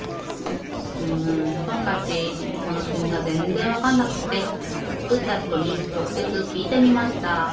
んトンカッチこのしくみがぜんぜんわかんなくってつくったひとにちょくせつきいてみました。